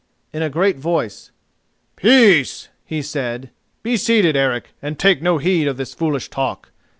in a great voice. "Peace!" he said. "Be seated, Eric, and take no heed of this foolish talk.